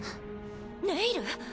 ネイル！？